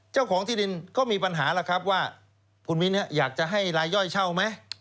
เจ้าของที่ดินก็มีปัญหาแล้วครับว่าคุณมิ้นอยากจะให้รายย่อยเช่าไหม